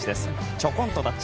ちょこんとタッチ。